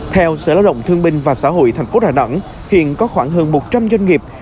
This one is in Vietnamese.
theo sở lao động thương binh và xã hội tp đà nẵng hiện có khoảng hơn một trăm linh doanh nghiệp